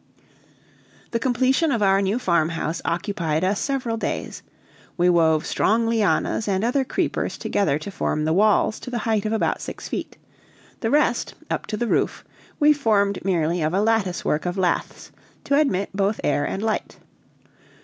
The completion of our new farmhouse occupied us several days; we wove strong lianas and other creepers together to form the walls to the height of about six feet; the rest, up to the roof, we formed merely of a latticework of laths to admit both air and light.